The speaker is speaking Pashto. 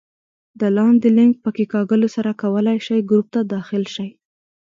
د لاندې لینک په کېکاږلو سره کولای شئ ګروپ ته داخل شئ